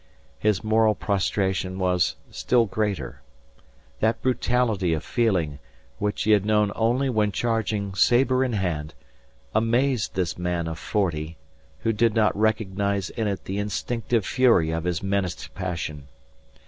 His moral prostration was still greater. That brutality of feeling, which he had known only when charging sabre in hand, amazed this man of forty, who did not recognise in it the instinctive fury of his menaced passion.